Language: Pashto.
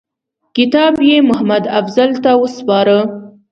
کتاب یې محمدافضل ته وسپاره.